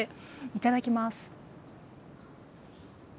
いただきます。